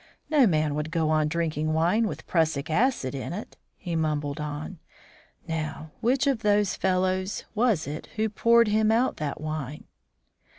No man would go on drinking wine with prussic acid in it," he mumbled on. "Now, which of those fellows was it who poured him out that wine?"